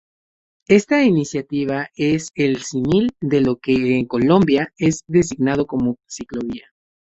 Esta iniciativa es el símil de lo que en Colombia es designado como Ciclovía.